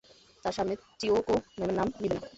তার সামনে চিয়োকো ম্যামের নাম নিবে না!